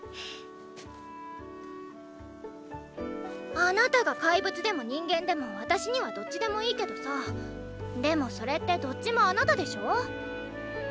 あなたが怪物でも人間でも私にはどっちでもいいけどさでもそれってどっちもあなたでしょ？